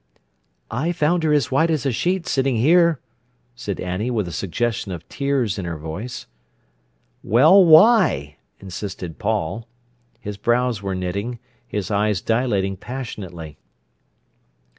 "I found her as white as a sheet sitting here," said Annie, with a suggestion of tears in her voice. "Well, why?" insisted Paul. His brows were knitting, his eyes dilating passionately.